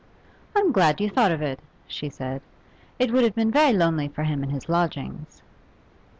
'I'm glad you thought of it,' she said. 'It would have been very lonely for him in his lodgings.